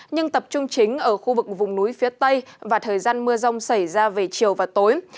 nhưng tập trung chính ở khu vực vùng núi phía tây và thời gian mưa rông xảy ra về chiều và tối